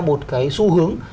một cái xu hướng